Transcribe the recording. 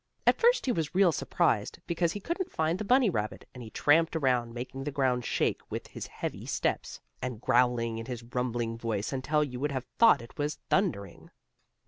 At first he was real surprised, because he couldn't find the bunny rabbit, and he tramped around, making the ground shake with his heavy steps, and growling in his rumbling voice until you would have thought that it was thundering.